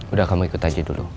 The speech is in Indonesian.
udah kamu ikut aja dulu